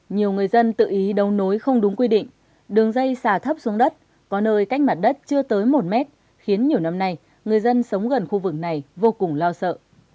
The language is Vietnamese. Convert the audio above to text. nhiều người dân tự ý đấu nối không đúng quy định đường dây xà thấp xuống đất có nơi cách mặt đất chưa tới một mét khiến nhiều năm nay người dân sống gần khu vực này vô cùng lo sợ